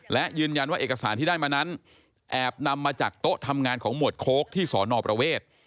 และยืนยันว่าเอกสารที่ได้มานั้นแอบนำมาจากโต๊ะทำงานของหมวดโค้กที่สอนอประเวท